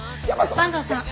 坂東さん